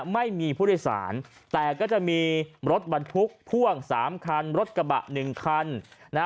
ไม่มีผู้โดยสารแต่ก็จะมีรถบรรพุกพ่วง๓คันรถกระบะ๑คัน